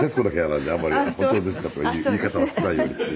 なんであんまり「本当ですか？」という言い方はしないようにして。